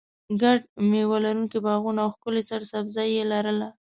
ګڼ مېوه لرونکي باغونه او ښکلې سرسبزي یې لرله.